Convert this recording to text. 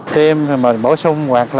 tiêm mũi bổ sung hoàn thành